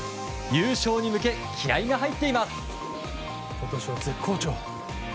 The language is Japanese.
優勝に向け、気合が入ってます！